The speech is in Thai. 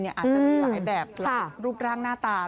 อาจจะมีหลายแบบหลายรูปร่างหน้าตา